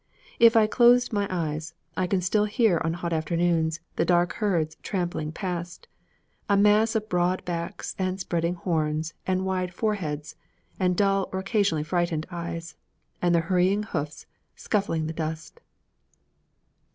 If I close my eyes, I can still hear on hot afternoons the dark herds trampling past, a mass of broad backs and spreading horns and wide foreheads, and dull or occasionally frightened eyes, and the hurrying hoofs, scuffling the dust.